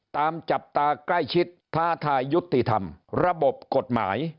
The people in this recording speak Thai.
ตามจับตาใกล้ชิดท้าทายยุติธรรมระบบกฎหมาย